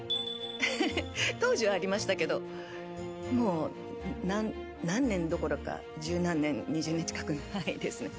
当時はありましたがもう何年どころか十何年、２０年近くないです。